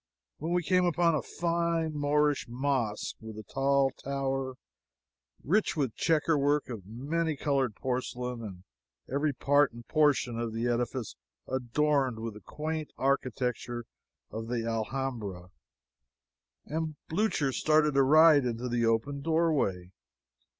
when we came upon a fine Moorish mosque, with tall tower, rich with checker work of many colored porcelain, and every part and portion of the edifice adorned with the quaint architecture of the Alhambra, and Blucher started to ride into the open doorway.